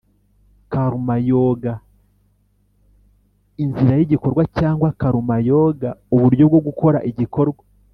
karma yoga: inzira y’igikorwa, cyangwa karma yoga, uburyo bwo gukora igikorwa.